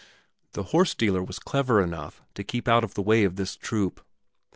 The horse dealer was clever enough to keep out of the way of this troop.